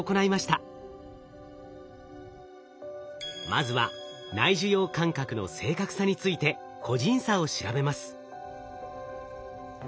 まずは内受容感覚の正確さについて個人差を調べます。